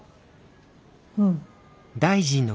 うん。